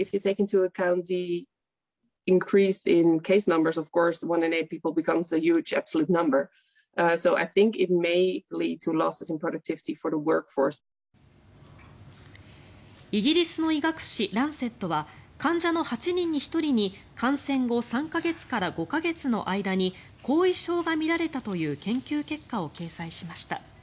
イギリスの医学誌「ランセット」は患者の８人に１人に感染後３か月から５か月の間に後遺症が見られたという研究結果を掲載しました。